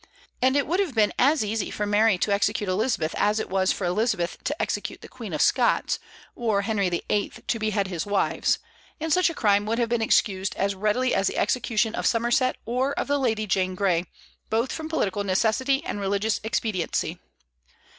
And it would have been as easy for Mary to execute Elizabeth as it was for Elizabeth to execute the Queen of Scots, or Henry VIII. to behead his wives; and such a crime would have been excused as readily as the execution of Somerset or of the Lady Jane Grey, both from political necessity and religious expediency.